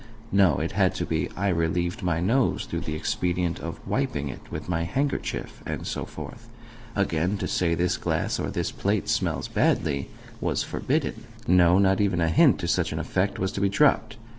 No, it had to be, "I relieved my nose through the expedient of wiping it with my handkerchief," and so forth. Again, to say, "This glass, or this plate, smells badly," was forbidden. No, not even a hint to such an effect was to be dropped.